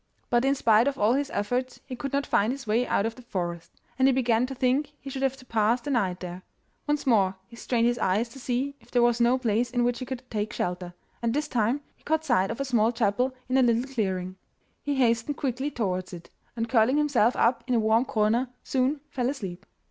But in spite of all his efforts he could not find his way out of the forest, and he began to think he should have to pass the night there. Once more he strained his eyes to see if there was no place in which he could take shelter, and this time he caught sight of a small chapel in a little clearing. He hastened quickly towards it, and curling himself up in a warm corner soon fell asleep.